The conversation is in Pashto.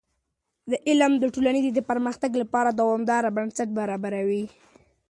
علم د ټولنې د پرمختګ لپاره دوامداره بنسټ برابروي.